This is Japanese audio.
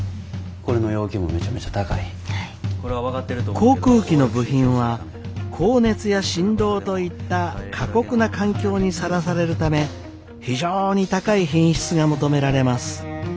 航空機の部品は高熱や振動といった過酷な環境にさらされるため非常に高い品質が求められます。